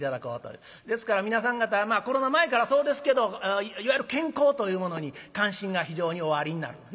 ですから皆さん方コロナ前からそうですけどいわゆる健康というものに関心が非常におありになる。